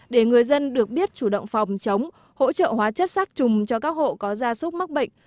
để người dân được biết chủ động phòng chống hỗ trợ hóa chất sát trùng cho các hộ có gia súc mắc bệnh